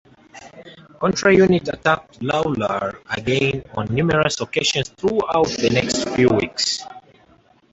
Contra Unit attacked Lawlor again on numerous occasions throughout the next few weeks.